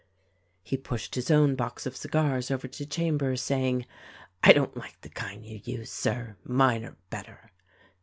He pushed his own box of cigars over to Chambers say ing, "I don't like the kind you use. Sir. Mine are better."